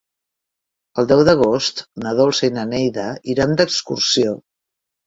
El deu d'agost na Dolça i na Neida iran d'excursió.